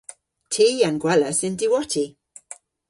Ty a'n gwelas y'n diwotti.